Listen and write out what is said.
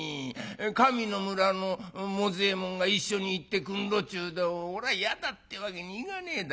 上の村のもざえもんが一緒に行ってくんろちゅうでおらやだってわけにいかねえだ。